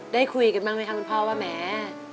ได้คุยกันบ้างไหมคะคุณพ่อว่าแหม